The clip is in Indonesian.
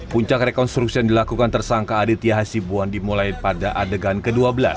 puncak rekonstruksi yang dilakukan tersangka aditya hasibuan dimulai pada adegan ke dua belas